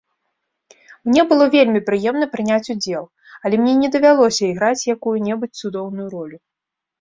Мне было вельмі прыемна прыняць удзел, але мне не давялося іграць якую-небудзь цудоўную ролю.